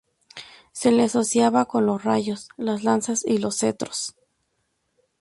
Se le asociaba con los rayos, las lanzas y los cetros.